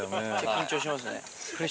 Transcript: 緊張しますね。